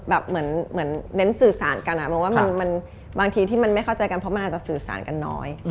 แบบเหมือนเน้นสื่อสารกันมองว่าบางทีที่มันไม่เข้าใจกันเพราะมันอาจจะสื่อสารกันน้อย